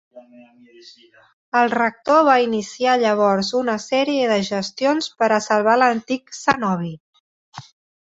El rector va iniciar llavors una sèrie de gestions per a salvar l'antic cenobi.